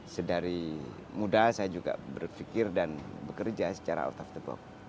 sedari muda saya juga berpikir dan bekerja secara out of the box